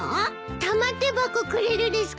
玉手箱くれるですか？